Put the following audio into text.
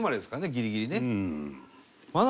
ギリギリね。